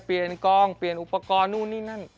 เปลี่ยนกองเปลี่ยนอุปกรณ์นู่นนี่นั่น